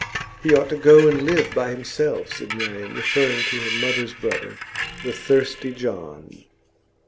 'He ought to go and live by himself' said Marian, referring to her mother's brother, the thirsty John.